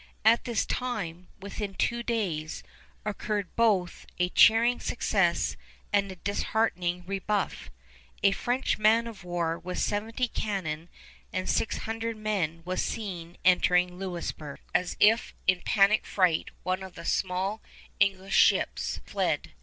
At this time, within two days, occurred both a cheering success and a disheartening rebuff. A French man of war with seventy cannon and six hundred men was seen entering Louisburg. As if in panic fright, one of the small English ships fled.